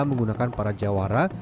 menggunakan para jawara